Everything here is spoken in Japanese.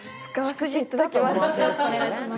よろしくお願いします。